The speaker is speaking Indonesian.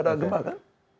ada gempa kan